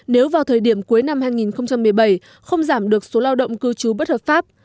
nếu vào thời điểm cuối năm hai nghìn một mươi bảy không giảm được số lao động cư trú bất hợp pháp